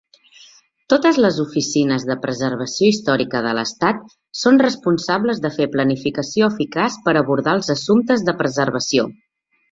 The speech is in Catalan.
Totes les oficines de preservació històrica de l'estat són responsables de fer planificació eficaç per abordar els assumptes de preservació.